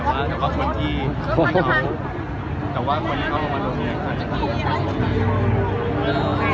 แต่ว่าแต่ว่าคนที่แต่ว่าคนที่เข้ามาดูนี้ก็คิดว่า